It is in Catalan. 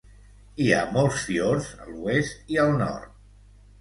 Hi ha molts fiords a l'oest i al nord.